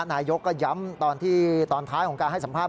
นายกก็ย้ำตอนที่ตอนท้ายของการให้สัมภาษ